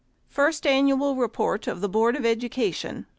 FIRST ANNUAL REPORT BOARD OF EDUCATION.